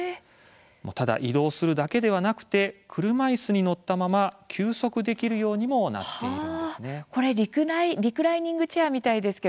ただ移動するだけでなくて車いすに乗ったまま休息できるようにリクライニングチェアですね。